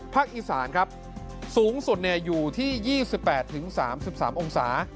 ภาคอีสานครับสูงส่วนอยู่ที่๒๘ถึง๓๓องศา